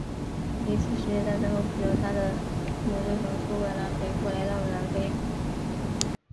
第一次世界大战后不久他的父母就从苏格兰北部来到了南非。